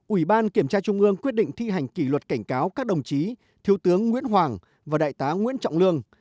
ủy ban kiểm tra trung ương quyết định thi hành kỷ luật cảnh cáo các đồng chí thiếu tướng nguyễn hoàng và đại tá nguyễn trọng lương